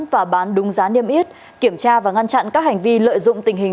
và bán đúng giá niêm yết kiểm tra và ngăn chặn các hành vi lợi dụng tình hình